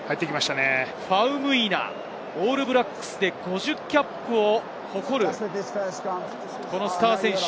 ファウムイナ、オールブラックスで５０キャップを誇るスター選手。